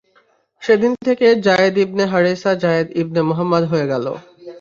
সেদিন থেকে Zayd ibn Haritha Zayd ইবনে মুহাম্মাদ হয়ে গেল।